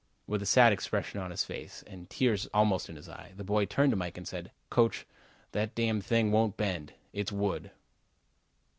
With a sad expression on his face, and tears almost in his eyes, the boy turned to Mike and said: "Coach, that damn thing won't bend. It's wood."